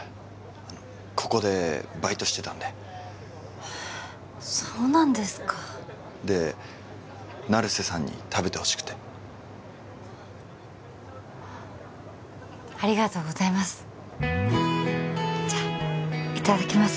ここでバイトしてたんでそうなんですかで成瀬さんに食べてほしくてありがとうございますじゃあいただきます